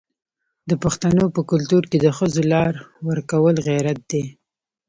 د پښتنو په کلتور کې د ښځو لار ورکول غیرت دی.